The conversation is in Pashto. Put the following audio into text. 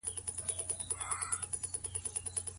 ضررونه بايد څنګه مقايسه سي؟